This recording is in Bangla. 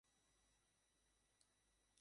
আমি বললুম, এ গয়নায় আপনার যদি লোভ থাকে নিয়ে যান-না।